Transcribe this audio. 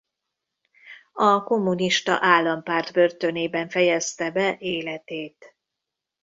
A kommunista állampárt börtönében fejezte be életét.